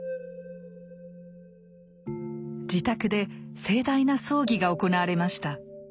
自宅で盛大な葬儀が行われました。